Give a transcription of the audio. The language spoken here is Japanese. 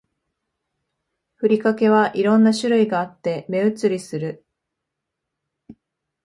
ふりかけは色んな種類があって目移りする